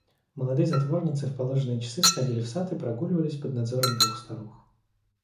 Молодые затворницы в положенные часы сходили в сад и прогуливались под надзором двух старух.